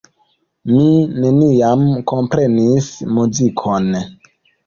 Mi neniam komprenis muzikon.